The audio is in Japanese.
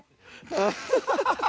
ハハハハ！